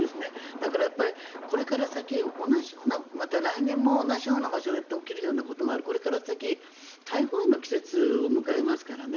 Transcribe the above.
だからこれから先同じようなまた来年も同じような場所で起きるようなことがあってこれから先台風の季節を迎えますからね。